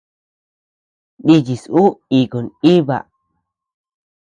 Nichis ú iku nʼiba.